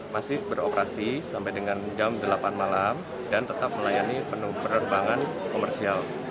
masih beroperasi sampai dengan jam delapan malam dan tetap melayani penerbangan komersial